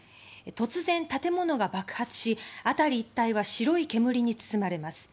突然、建物が爆発し辺り一帯は白い煙に包まれます。